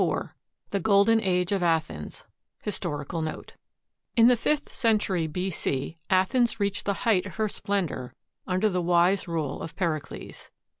IV THE GOLDEN AGE OF ATHENS HISTORICAL NOTE In the fifth century B.C. Athens reached the height of her splendor under the wise rule of Pericles.